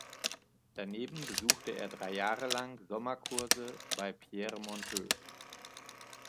Daneben besuchte er drei Jahre lang Sommerkurse bei Pierre Monteux.